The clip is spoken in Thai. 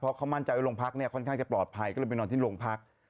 เพราะเขามั่นใจว่าโรงพักเนี่ยค่อนข้างจะปลอดภัยก็เลยไปนอนที่โรงพัก